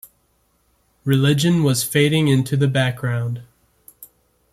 Religion was fading into the background.